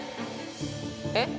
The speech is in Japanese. えっ？